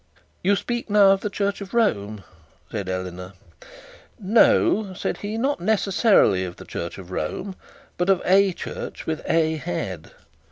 'You speak now of the Church of Rome?' said Eleanor. 'No,' said he, 'not necessarily the Church of Rome; but of a church with a head.